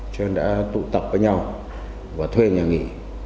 cho nên đã tụ tập với nhau và thuê nhà nghỉ